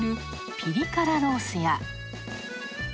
ピリ辛ロースや。